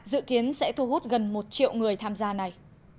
dự kiến sẽ thu hút gần một triệu người tham gia này